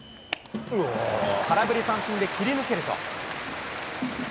空振り三振で切り抜けると。